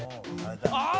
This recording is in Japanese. ああ！